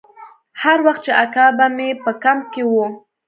هر وخت چې اکا به مې په کمپ کښې و.